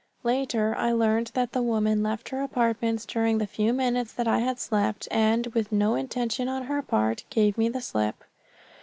Later I learned that the woman left her apartments during the few minutes that I had slept, and, with no intention on her part, gave me the slip.